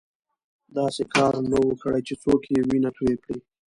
داسې کار نه وو کړی چې څوک یې وینه توی کړي.